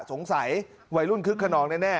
สงสัยวัยรุ่นคึกขนองแน่